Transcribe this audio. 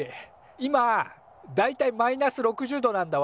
今だいたいマイナス６０度なんだわ。